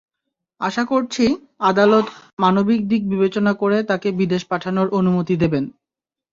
আশা করছি, আদালত মানবিক দিক বিবেচনা করে তাঁকে বিদেশ পাঠানোর অনুমতি দেবেন।